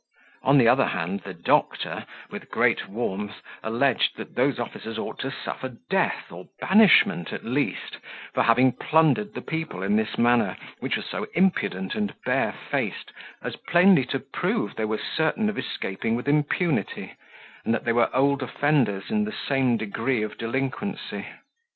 On the other hand, the doctor with great warmth alleged, that those officers ought to suffer death, or banishment at least, for having plundered the people in this manner, which was so impudent and barefaced, as plainly to prove they were certain of escaping with impunity, and that they were old offenders in the same degree of delinquency.